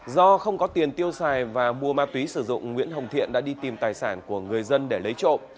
do không có tiền tiêu xài và mua ma túy sử dụng nguyễn hồng thiện đã đi tìm tài sản của người dân để lấy trộm